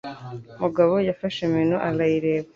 Mugabo yafashe menu arayireba.